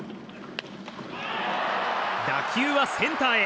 打球はセンターへ。